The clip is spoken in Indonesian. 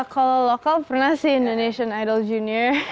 kalau lokal pernah sih indonesian idol junior